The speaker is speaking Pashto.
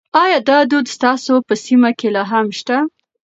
ایا دا دود ستاسو په سیمه کې لا هم شته؟